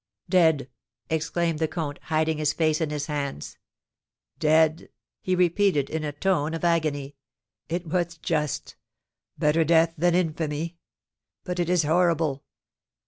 "Dead!" exclaimed the comte, hiding his face in his hands. "Dead!" he repeated in a tone of agony. "It was just, better death than infamy! But it is horrible!"